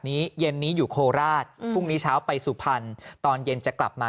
เย็นนี้อยู่โคราชพรุ่งนี้เช้าไปสุพรรณตอนเย็นจะกลับมา